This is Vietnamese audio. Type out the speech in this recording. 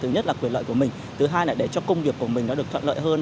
thứ nhất là quyền lợi của mình thứ hai là để cho công việc của mình nó được thuận lợi hơn